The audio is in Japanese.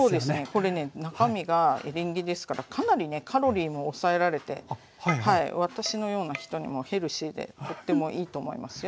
これね中身がエリンギですからかなりねカロリーも抑えられて私のような人にもヘルシーでとってもいいと思いますよ。